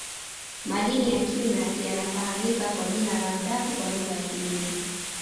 madini ya cuma yanafahamika kwa jina la mdapo kwa lugha ya kibena